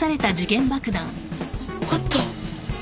あった